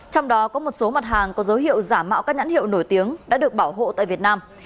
trong đó có một số mặt hàng có dấu hiệu giả mạo các nhãn hiệu nổi tiếng đã được bảo hộ tại việt nam